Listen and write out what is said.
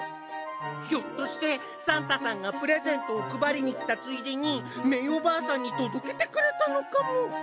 ひょっとしてサンタさんがプレゼントを配りに来たついでにメイおばあさんに届けてくれたのかも！